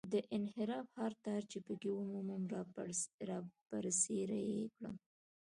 د انحراف هر تار چې په کې ومومم رابرسېره یې کړم.